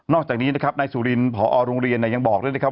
อกจากนี้นะครับนายสุรินพอโรงเรียนยังบอกด้วยนะครับ